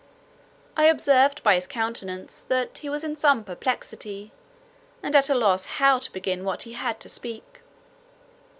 I observed by his countenance that he was in some perplexity, and at a loss how to begin what he had to speak.